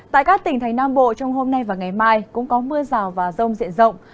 tại các tỉnh thành nam bộ trong hôm nay và ngày mai cũng có mưa rào và rông diện rộng